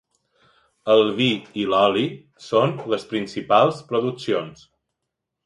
El vi i l'oli són les principals produccions.